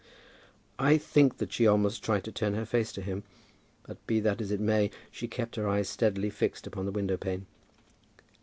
I think that she almost tried to turn her face to him; but be that as it may, she kept her eyes steadily fixed upon the window pane.